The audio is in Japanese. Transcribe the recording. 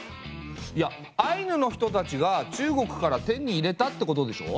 いやアイヌの人たちが中国から手に入れたってことでしょ？